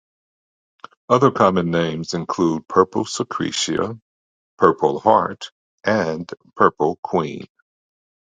Other common names include purple secretia, purple-heart, and purple queen.